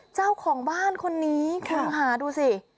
เจ้าของบ้านคนนี้คงหาดูสิ